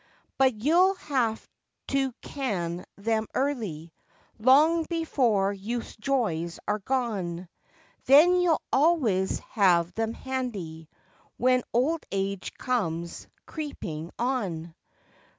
But youll have to "can" them early, Long before youth's joys are gone; Then you'll always have them handy When old age "comes creeping" on.